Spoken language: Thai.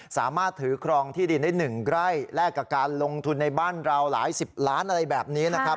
สามารถถือครองที่ดินได้๑ไร่แลกกับการลงทุนในบ้านเราหลายสิบล้านอะไรแบบนี้นะครับ